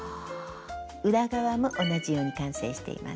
裏側も同じように完成しています。